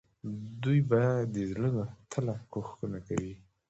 دوی به د زړه له تله کوښښونه کول.